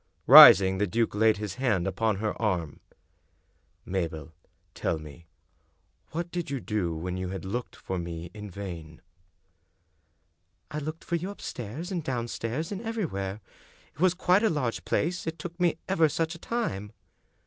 Rising, the duke laid his hand upon her arm. " Mabel, tell me — ^what did you do when you had looked for me in vain ?" "I looked for you upstairs and downstairs and every where. It was quite a large place, it took me ever such a time.